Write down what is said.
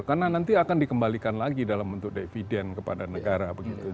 karena nanti akan dikembalikan lagi dalam bentuk dividend kepada negara